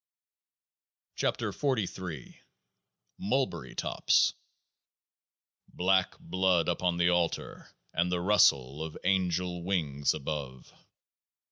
V. V. V. V. 53 KEOAAH Mr MULBERRY TOPS Black blood upon the altar ! and the rustle of angel wings above